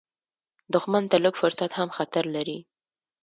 دښمن ته لږ فرصت هم خطر لري